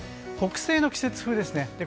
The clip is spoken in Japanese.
北西の季節風ですね。